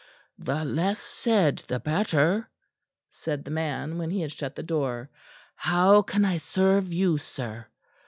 "The less said the better," said the man, when he had shut the door. "How can I serve you, sir?"